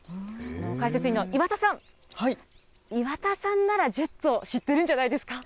解説委員の岩田さん、岩田さんならジェット、知ってるんじゃないですか？